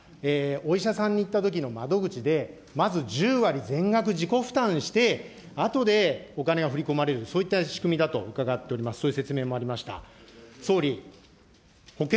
この資格証明書って何かというと、保険料を納めてないような方が、お医者さんに行ったときの窓口で、まず１０割全額自己負担して、あとでお金が振り込まれる、そういった仕組みだと伺っております、そういう説明もありました。